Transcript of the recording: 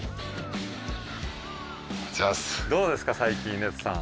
どうですか最近ＲＥＤさん。